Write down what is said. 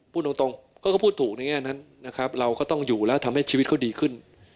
พูดตรงก็พูดถูกในแง่นั้นนะครับเราก็ต้องอยู่แล้วทำให้ชีวิตเขาดีขึ้น